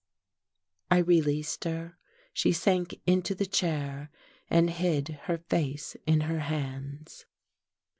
I released her. She sank into the chair and hid her face in her hands....